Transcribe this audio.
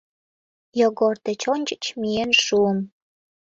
Йогор деч ончыч миен шуым.